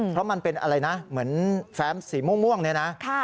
เพราะมันเป็นอะไรนะเหมือนแฟ้มสีม่วงเนี่ยนะ